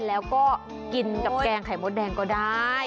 แล้วก็กินกับแกงไข่มดแดงก็ได้